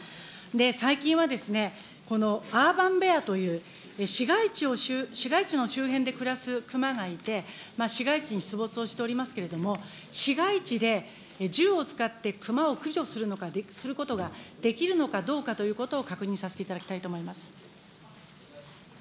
最近は、このアーバンベアという、市街地の周辺で暮らす熊がいて、市街地に出没をしていますけれども、市街地で銃を使って熊を駆除することができるのかどうかということを確認させていただきたいと思います。